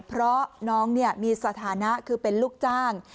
เพราะน้องมีสถานะคือเป็นลูกจ้าง